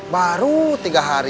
baru tiga hari